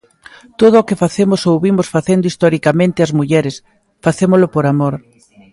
Todo o que facemos ou vimos facendo historicamente as mulleres, facémolo por amor.